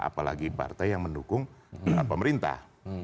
apalagi partai yang mendukung pemerintah